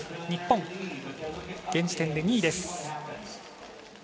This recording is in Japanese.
日本、現時点で２位です。